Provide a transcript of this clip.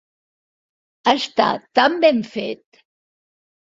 Està tan ben fet!